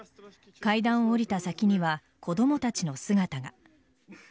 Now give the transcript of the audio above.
階段を降りた先には子供たちの姿が。